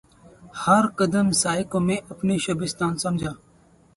ہر قدم سائے کو میں اپنے شبستان سمجھا